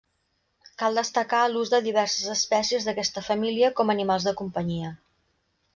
Cal destacar l'ús de diverses espècies d'aquesta família com a animals de companyia.